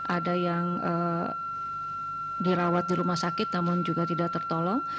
ada yang dirawat di rumah sakit namun juga tidak tertolong